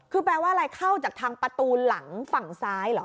คือแปลว่าอะไรเข้าจากทางประตูหลังฝั่งซ้ายเหรอ